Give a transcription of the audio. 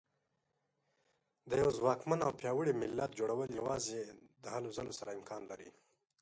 د یوه ځواکمن او پیاوړي ملت جوړول یوازې د هلو ځلو سره امکان لري.